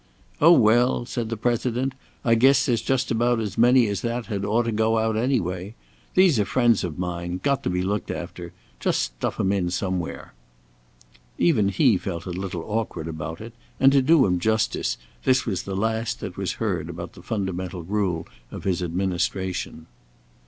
"Oh, well," said the President, "I guess there's just about as many as that had ought to go out anyway. These are friends of mine; got to be looked after. Just stuff 'em in somewhere." Even he felt a little awkward about it, and, to do him justice, this was the last that was heard about the fundamental rule of his administration.